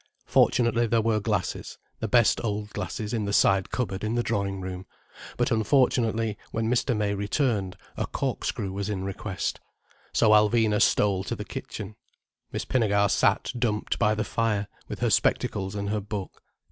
Fortunately there were glasses, the best old glasses, in the side cupboard in the drawing room. But unfortunately, when Mr. May returned, a corkscrew was in request. So Alvina stole to the kitchen. Miss Pinnegar sat dumped by the fire, with her spectacles and her book.